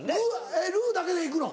えっルーだけでいくの？